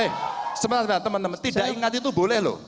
eh sementara teman teman tidak ingat itu boleh loh